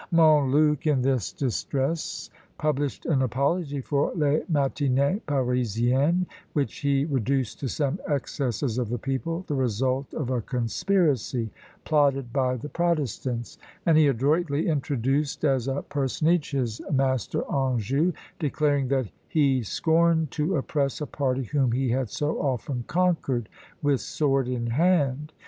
Montluc, in this distress, published an apology for les Matinées Parisiennes, which he reduced to some excesses of the people, the result of a conspiracy plotted by the protestants; and he adroitly introduced as a personage his master Anjou, declaring that "he scorned to oppress a party whom he had so often conquered with sword in hand."